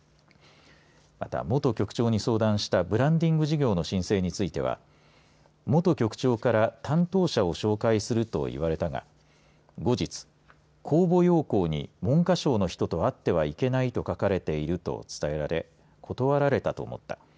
また、元局長に相談したブランディング事業の申請についてはい元局長から担当者を紹介するといわれたが後日、公募要項に文科省の人と会ってはいけないと書かれていると伝えられ断られたと思った。